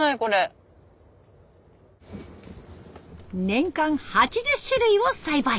年間８０種類を栽培。